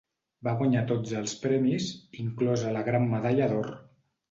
Va guanyar tots els premis, inclosa la gran medalla d'or.